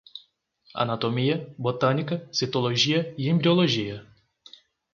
Anatomia, botânica, citologia e embriologia